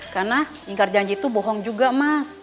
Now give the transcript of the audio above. karena ingkar janji itu bohong juga mas